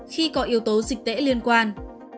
khi có yếu tố dịch tễ liên quan